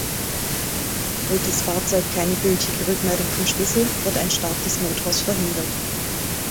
Erhält das Fahrzeug keine gültige Rückmeldung vom Schlüssel, wird ein Start des Motors verhindert.